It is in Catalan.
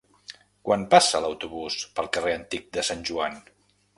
Quan passa l'autobús pel carrer Antic de Sant Joan?